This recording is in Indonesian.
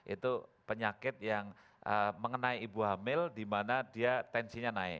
itu penyakit yang mengenai ibu hamil di mana dia tensinya naik